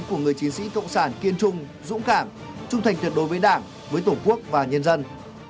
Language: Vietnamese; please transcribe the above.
của người chiến sĩ cộng sản kiên trung dũng cảm trung thành tuyệt đối với đảng với tổ quốc và nhân dân